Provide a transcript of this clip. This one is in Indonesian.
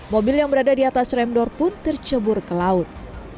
mobil yang berada di atas remdor pun tercebur ke laut